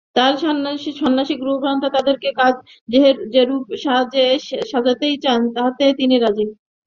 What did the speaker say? তাঁহার সন্ন্যাসী গুরুভ্রাতারা তাঁহাকে আজ যেরূপ সাজে সাজাইতে চাহেন, তাহাতেই তিনি রাজী।